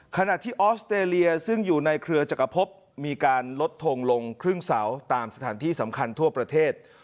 ขณะที่ออสเตรเลียซึ่งอยู่ในเครือจักรพบมีการลดทงลงครึ่งเสาตามสถานที่สำคัญทั่วประเทศ